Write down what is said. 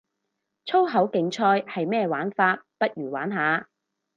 粗口競賽係咩玩法，不如玩下